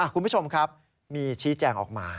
คุณผู้ชมครับมีชี้แจงออกมา